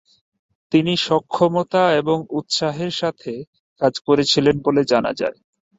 তিনি সক্ষমতা এবং উৎসাহের সাথে কাজ করেছিলেন বলে জানা যায়।